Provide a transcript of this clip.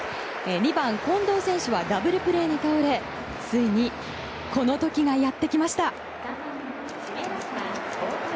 ２番、近藤選手はダブルプレーに倒れついにこの時がやってきました。